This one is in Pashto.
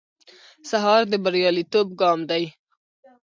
سهار د بریالیتوب ګام دی.